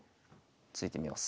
突いてみます。